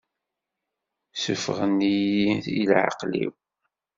Ssufɣen-iyi i leɛqel-iw.